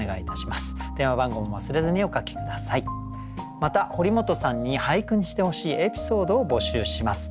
また堀本さんに俳句にしてほしいエピソードを募集します。